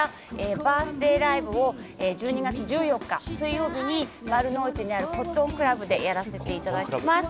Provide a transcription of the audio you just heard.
バースデーライブを１２月１４日水曜日に丸の内にあるコットンクラブでやらせていただきます。